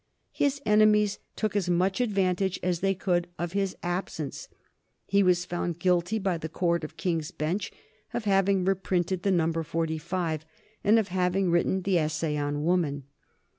His enemies took as much advantage as they could of his absence. He was found guilty by the Court of King's Bench of having reprinted the number Forty five and of having written the "Essay on Woman."